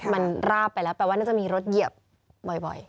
มันราบไปแล้วแปลว่าน่าจะมีรถเหยียบบ่อย